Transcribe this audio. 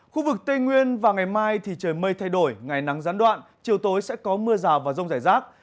khu vực tây nguyên và ngày mai thì trời mây thay đổi ngày nắng gián đoạn chiều tối sẽ có mưa rào và rông rải rác